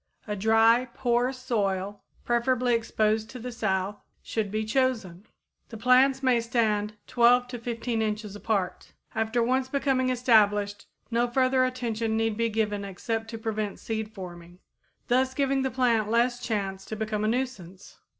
A dry, poor soil, preferably exposed to the south, should be chosen. The plants may stand 12 to 15 inches apart. After once becoming established no further attention need be given except to prevent seed forming, thus giving the plant less chance to become a nuisance.